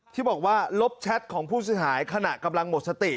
ที่บอกว่าลบแชทของผู้เสียหายขณะกำลังหมดสติ